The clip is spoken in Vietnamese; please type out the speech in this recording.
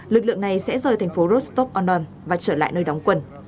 lực lượng này sẽ rời thành phố rostov on don và trở lại nơi đóng quân